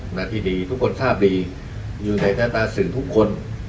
หน้าที่ดีทุกคนทราบดีอยู่ในหน้าตาสื่อทุกคน